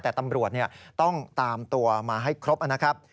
แต่ตำรวจต้องตามตัวมาให้ครบนะครับ